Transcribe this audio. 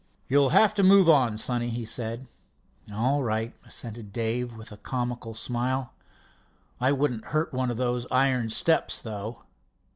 "You'll have to move on, sonny," he said. "All right," assented Dave with a comical smile. "I wouldn't hurt those iron steps, though."